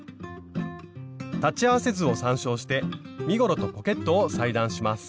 裁ち合わせ図を参照して身ごろとポケットを裁断します。